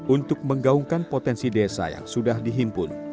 untuk menggaungkan potensi desa yang sudah dihimpun